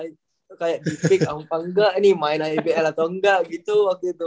jadi ya kayak di pik apa enggak ini main aimpl atau enggak gitu waktu itu